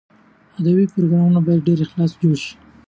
ادبي پروګرامونه باید په ډېر اخلاص جوړ شي.